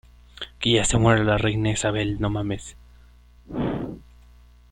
Mientras que en la lista del Reino Unido, debutó en la quinta ubicación.